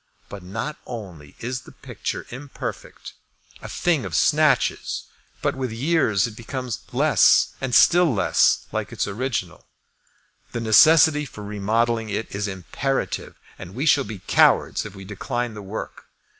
But not only is the picture imperfect, a thing of snatches, but with years it becomes less and still less like its original. The necessity for remodelling it is imperative, and we shall be cowards if we decline the work.